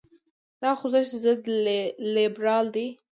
دا خوځښت ضد لیبرال دی.